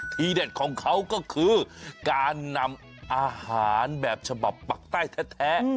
เด็ดของเขาก็คือการนำอาหารแบบฉบับปักใต้แท้